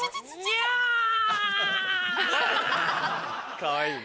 かわいいね。